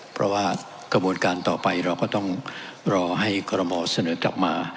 เพราะว่ากระบวนการต่อไปเราก็ต้องรอให้คอรมอลเสนอกลับมา